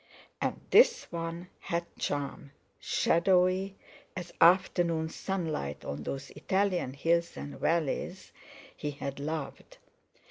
And this one had charm, shadowy as afternoon sunlight on those Italian hills and valleys he had loved.